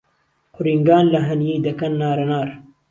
قورینگان له ههنیەی دهکهن نارهنار